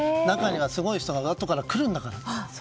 中にはすごい人が後から来るんだから。